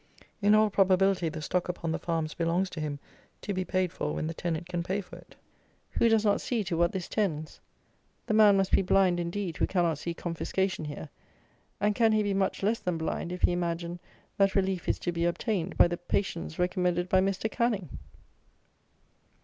In all probability the stock upon the farms belongs to him, to be paid for when the tenant can pay for it. Who does not see to what this tends? The man must be blind indeed who cannot see confiscation here; and can he be much less than blind if he imagine that relief is to be obtained by the patience recommended by Mr. Canning?